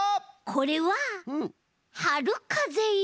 これははるかぜいろ。